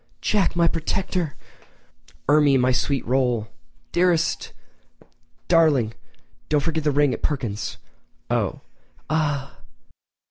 "Jack, my protector!" "Ermie, my sweet roll!" "Dearest!" "Darling!—and don't forget that ring at Perkins'." "Oh!" "Ah!"